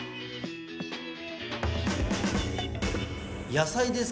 野菜ですか。